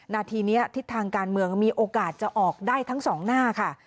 นาทีนี้ทิศทางการเมืองมีโอกาสจะออกได้ทั้งสองหน้าค่ะ